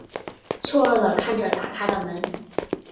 错愕的看着打开的门